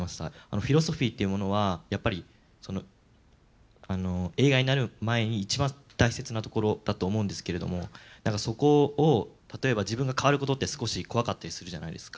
フィロソフィーっていうものはやっぱり映画になる前に一番大切なところだと思うんですけれどもそこを例えば自分が変わる事って少し怖かったりするじゃないですか。